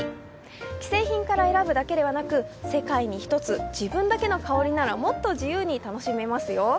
既製品から選ぶだけではなく世界に１つ、自分だけの香りならもっと自由に楽しめますよ。